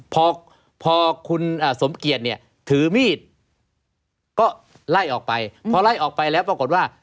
พอพอคุณสมเกียจเนี่ยถือมีดก็ไล่ออกไปพอไล่ออกไปแล้วปรากฏว่า